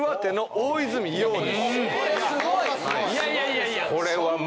いやいやいやいや！